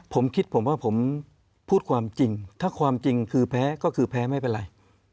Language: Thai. ผมคิดว่าผมพูดความจริงก็คือแพ้ไม่เป็นไร